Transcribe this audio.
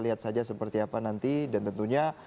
lihat saja seperti apa nanti dan tentunya